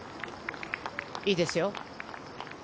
いいですよ。